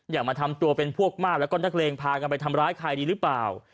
อยากมาทำตัวเป็นพวกมากแล้วก็นักเลงพากันไปทำร้ายใครดีหรือเปล่า